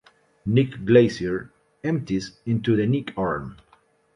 Knik Glacier empties into the Knik Arm.